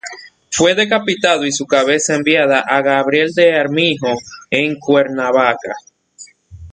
Fue decapitado y su cabeza enviada a Gabriel de Armijo en Cuernavaca.